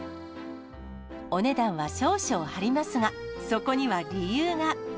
お値段は少々張りますが、そこには理由が。